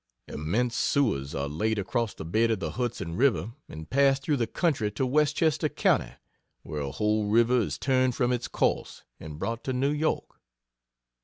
Immense sewers are laid across the bed of the Hudson River, and pass through the country to Westchester county, where a whole river is turned from its course, and brought to New York.